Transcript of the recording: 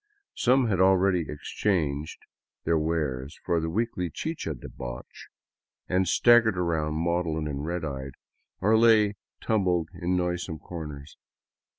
Some had already exchanged their wares for the weekly chicha debauch, and stag gered about maudlin and red eyed, or lay tumbled in noisome corners.